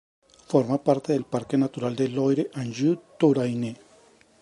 Forma parte del Parque Natural de Loire-Anjou-Touraine.